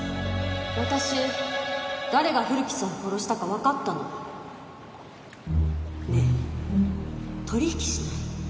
私誰が古木さんを殺したかわかったの。ねえ取引しない？